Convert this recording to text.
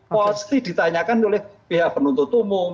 pasti ditanyakan oleh pihak penuntut umum